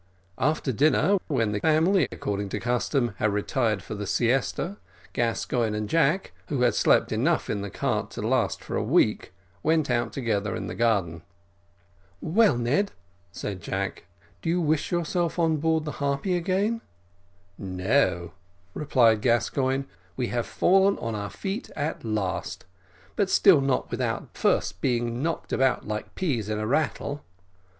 After dinner, when the family, according to custom, had retired for the siesta, Gascoigne and Jack, who had slept enough in the cart to last for a week, went out together in the garden. "Well, Ned," said Jack, "do you wish yourself on board the Harpy again?" "No," replied Gascoigne; "we have fallen on our feet at last, but still not without first being knocked about like peas in a rattle.